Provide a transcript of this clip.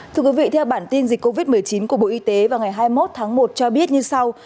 thưa quý vị theo bản tin dịch covid một mươi chín của bộ y tế vào ngày hai mươi một tháng một cho biết như sau